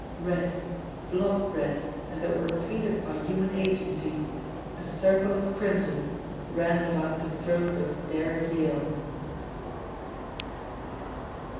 Red, blood red, as though it were painted by human agency, a circle of crimson ran about the throat of Derrick Yale.